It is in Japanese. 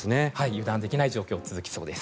油断できない状況が続きそうです。